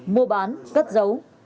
mua bán cất giấu